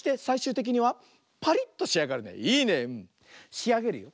しあげるよ。